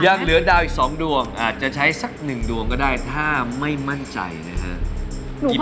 ยังเหลือดาวอีก๒ดวงอาจจะใช้สักหนึ่งดวงก็ได้ถ้าไม่มั่นใจนะฮะ